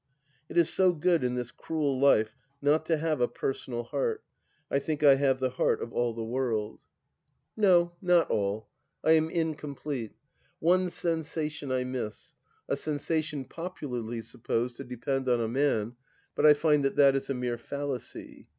It is so good in this cruel life not to have a personal heart— I think I have the heart of all the world. .. THE LAST DITCH 229 No, not all. I am incomplete. One sensation I miss, a sensation popularly supposed to depend on a man, but I find that that is a mere fallacy.